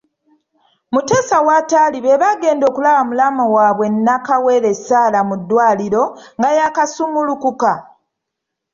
Muteesa w’ataali bebaagenda okulaba mulamu waabwe Nnakawere Sarah mu Ddwaliro, nga yakasumulukuka.